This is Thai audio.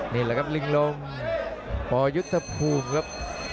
นี่แหละครับลิงลมปยุทธภูมิครับ